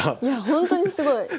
いやほんとにすごい。